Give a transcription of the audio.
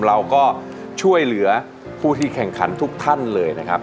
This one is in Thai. เราก็ช่วยเหลือผู้ที่แข่งขันทุกท่านเลยนะครับ